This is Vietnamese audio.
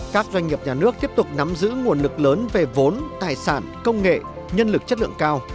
các doanh nghiệp nhà nước tiếp tục nắm giữ nguồn lực lớn về vốn tài sản công nghệ nhân lực chất lượng cao